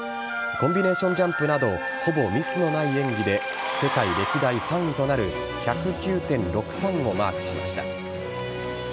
コンビネーションジャンプなどほぼミスのない演技で世界歴代３位となる１０９．６３をマークしました。